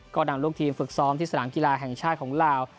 ก็นำลูกทีมฝึกซ้อมที่สนามกีฬาแห่งชาติของลาว